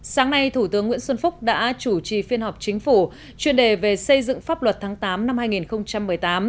sáng nay thủ tướng nguyễn xuân phúc đã chủ trì phiên họp chính phủ chuyên đề về xây dựng pháp luật tháng tám năm hai nghìn một mươi tám